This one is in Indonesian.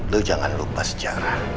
lu jangan lupa sejarah